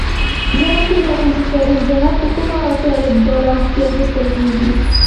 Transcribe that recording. زه نپوهېږم چې کریم جنت په کومه وړتیا لوبډله کې اخیستل کیږي؟